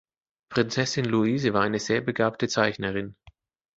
Prinzessin Luise war eine sehr begabte Zeichnerin.